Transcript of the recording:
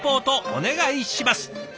お願いします。